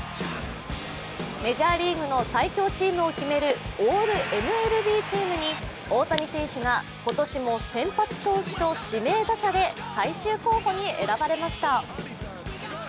メジャーリーグの最強チームを決める、オールＭＬＢチームに大谷選手が、今年も先発投手と指名打者で最終候補に選ばれました。